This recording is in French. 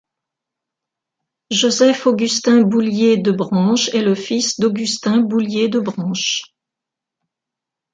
Joseph-Augustin Boullier de Branche est le fils d'Augustin Boullier de Branche.